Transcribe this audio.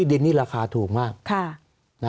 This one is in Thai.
สวัสดีครับทุกคน